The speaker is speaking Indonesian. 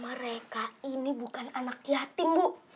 mereka ini bukan anak yatim bu